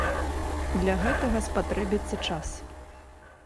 Для гэтага спатрэбіцца час.